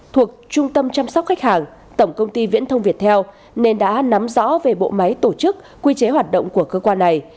thuộc trung tâm chăm sóc khách hàng tổng công ty viễn thông việt theo nên đã nắm rõ về bộ máy tổ chức quy chế hoạt động của cơ quan này